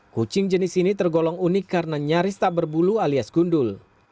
kucing jenis ini tergolong unik karena nyaris tak berbulu alias gundul